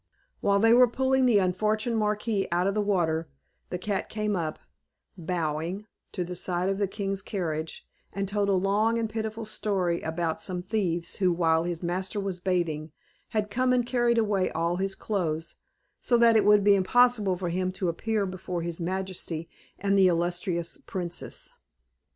While they were pulling the unfortunate marquis out of the water, the cat came up, bowing, to the side of the king's carriage, and told a long and pitiful story about some thieves, who, while his master was bathing, had come and carried away all his clothes, so that it would be impossible for him to appear before his majesty and the illustrious princess.